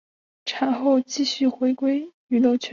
产后继续回归娱乐圈。